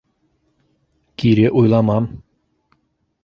Кире уйламам!